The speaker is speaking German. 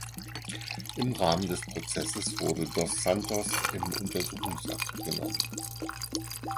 Im Rahmen des Prozesses wurde dos Santos in Untersuchungshaft genommen.